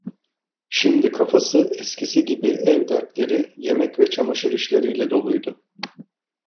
Şimdi kafası eskisi gibi ev dertleri, yemek ve çamaşır işleriyle doluydu.